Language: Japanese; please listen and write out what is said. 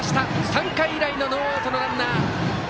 ３回以来のノーアウトのランナー。